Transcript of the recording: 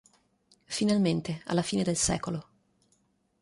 Finalmente, alla fine del sec.